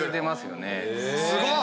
すごい！